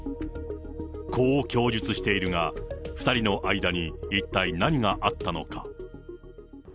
こう供述しているが、２人の間に一体何があったのか。